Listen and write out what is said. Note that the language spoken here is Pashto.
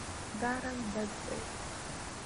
دا رنګ بد دی